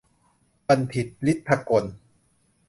บัณฑิต ฤทธิ์ถกล